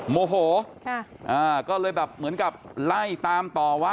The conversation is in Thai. โมโหก็เลยแบบเหมือนกับไล่ตามต่อว่า